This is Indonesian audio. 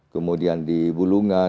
kemudian di bulungan